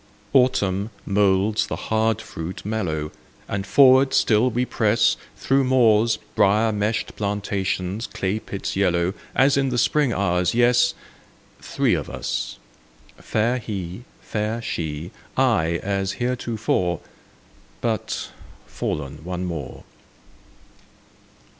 Autumn moulds the hard fruit mellow, And forward still we press Through moors, briar meshed plantations, clay pits yellow, As in the spring hours—yes, Three of us: fair He, fair She, I, as heretofore, But—fallen one more.